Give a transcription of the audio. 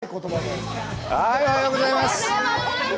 おはようございます。